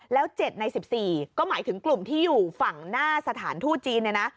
แล้ว๗ใน๑๔ก็หมายถึงกลุ่มที่อยู่ฝั่งหน้าสถานทูตจีนเนี่ยนะ